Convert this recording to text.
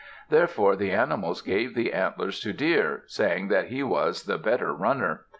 Therefore the animals gave the antlers to Deer, saying that he was the better runner.